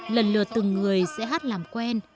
lần lượt từng người sẽ hát làm quen